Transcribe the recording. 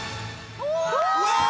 うわ！